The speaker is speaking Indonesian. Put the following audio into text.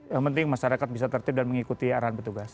yang penting masyarakat bisa tertib dan mengikuti arahan petugas